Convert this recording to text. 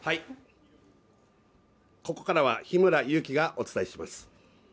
ここからは日村勇紀がお伝えします。